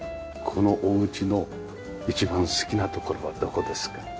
このお家の一番好きな所はどこですか？